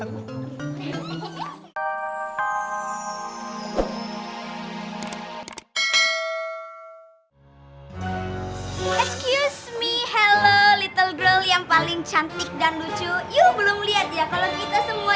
excuse mi halo little grow yang paling cantik dan lucu yuk belum lihat ya kalau kita semua